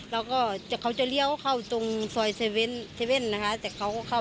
แล้วก่อจากเขาจะเลี้ยวเข้าตรงซอยเซเวสเทวก็เข้า